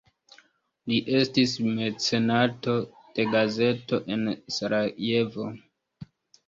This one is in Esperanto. Li estis mecenato de gazeto en Sarajevo.